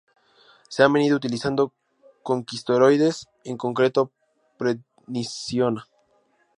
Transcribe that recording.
Se han venido utilizando corticosteroides, en concreto prednisona.